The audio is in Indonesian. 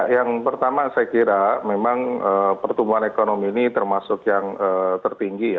yang pertama saya kira memang pertumbuhan ekonomi ini termasuk yang tertinggi ya